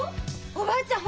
おばあちゃん